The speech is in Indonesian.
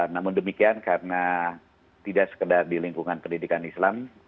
namun demikian karena tidak sekedar di lingkungan pendidikan islam